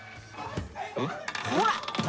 ほら！